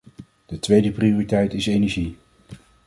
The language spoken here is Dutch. De tweede prioriteit is energie.